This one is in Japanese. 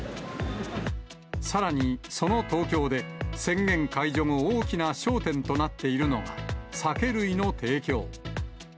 さらに、その東京で宣言解除後、大きな焦点となっているのが、酒類の提供。